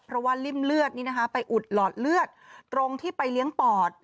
เพราะว่าริ่มเลือดไปอุดหลอดเลือดตรงที่ไปเลี้ยงปอด